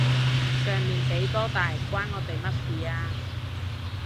上面幾多大關我哋乜事啊？